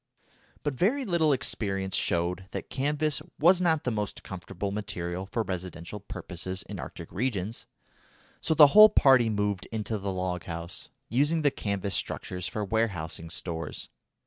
But very little experience showed that canvas was not the most comfortable material for residential purposes in Arctic regions, so the whole party moved into the log house, using the canvas structures for warehousing stores.